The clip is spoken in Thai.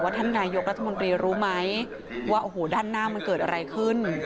ท่านนายกรัฐมนตรีรู้ไหมว่าโอ้โหด้านหน้ามันเกิดอะไรขึ้น